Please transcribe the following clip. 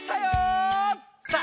さあ